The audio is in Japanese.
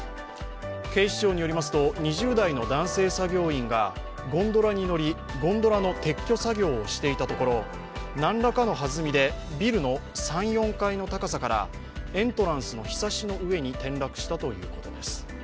警視庁によりますと、２０代の男性作業員がゴンドラに乗り、ゴンドラの撤去作業をしていたところ、何らかの弾みでビルの３４階の田朝からエントランスのひさしの上に転落したということです。